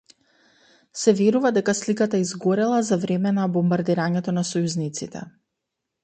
Се верува дека сликата изгорела за време на бомбардирањето на сојузниците.